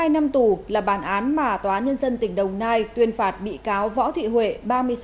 một mươi hai năm tù là bản án mà tòa nhân dân tỉnh đồng nai tuyên phạt bị cáo võ thị huệ